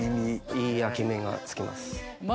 いい焼き目がつきます。